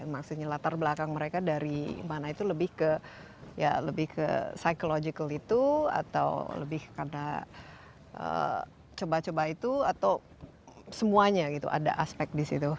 maksudnya latar belakang mereka dari mana itu lebih ke ya lebih ke psychological itu atau lebih karena coba coba itu atau semuanya gitu ada aspek di situ